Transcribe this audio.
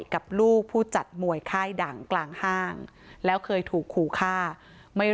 กับลูกผู้จัดมวยค่ายดังกลางห้างแล้วเคยถูกขู่ฆ่าไม่รู้